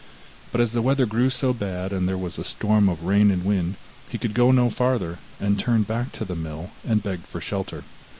But as the weather grew so bad and there was a storm of rain and wind, he could go no farther, and turned back to the mill and begged for shelter.